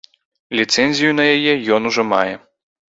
Ліцэнзію на яе ён ужо мае.